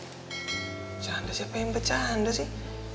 bercanda siapa yang bercanda sih